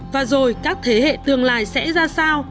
và rồi các thế hệ tương lai sẽ ra sao